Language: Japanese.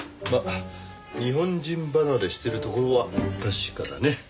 まあ日本人離れしてるところは確かだね。